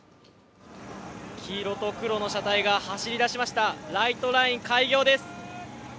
黄色と黒の車体が走り始めました、ライトライン開業です。